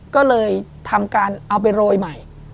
ก็เลยทำการเอาไปโรยใหม่